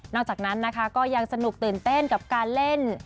จากนั้นนะคะก็ยังสนุกตื่นเต้นกับการเล่น